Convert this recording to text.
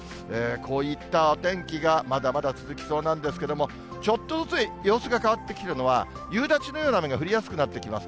こういったお天気がまだまだ続きそうなんですけれども、ちょっとずつ様子が変わってくるのは、夕立のような雨が降りやすくなってきます。